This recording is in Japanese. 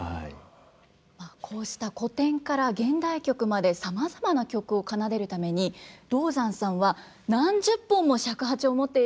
こうした古典から現代曲までさまざまな曲を奏でるために道山さんは何十本も尺八を持っていらして使い分けているということなんです。